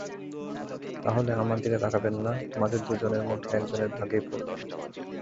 তা হলে আমার দিকে তাকাবেন না, তোমাদের দুজনের মধ্যে একজনের ভাগেই পড়বেন!